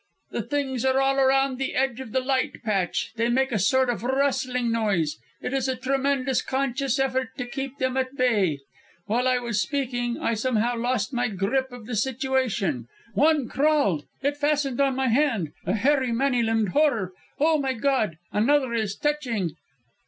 "The things are all around the edge of the light patch; they make a sort of rustling noise. It is a tremendous, conscious effort to keep them at bay. While I was speaking, I somehow lost my grip of the situation. One crawled ... it fastened on my hand ... a hairy, many limbed horror.... Oh, my God! another is touching...."